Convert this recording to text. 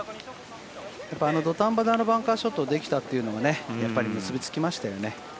土壇場であのバンカーショットをできたっていうのがやっぱり結びつきましたよね。